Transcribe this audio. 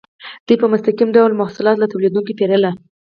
دوی په مستقیم ډول محصولات له تولیدونکو پیرل.